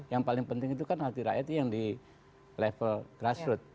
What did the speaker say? yang paling penting itu kan hati rakyat yang di level grassroot